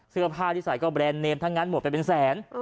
เสื้อผ้าที่ใส่ก็แบรนด์เนมทั้งนั้นหมดไปเป็นแสน